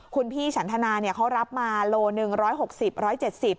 คุณพี่ฉันธนาเขารับมาโล๑๖๐๑๗๐บาท